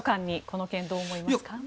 この件、どう思いますか？